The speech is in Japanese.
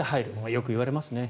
よく言われますね。